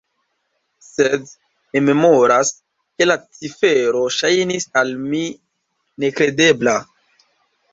Sed mi memoras, ke la cifero ŝajnis al mi nekredebla.